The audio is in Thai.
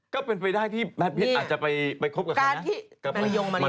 ก็เป็นไปได้ที่แมทพิษอาจจะไปคบกับเขานะ